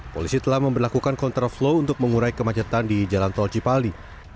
polisi telah memperlakukan kontraflow untuk mengurai kemacetan di jalan tol cipali